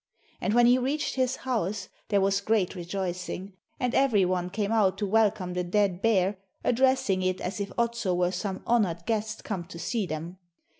And when he reached his house there was great rejoicing, and every one came out to welcome the dead bear, addressing it as if Otso were some honoured guest come to see them.